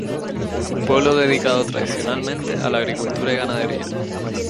Pueblo dedicado tradicionalmente a la agricultura y ganadería.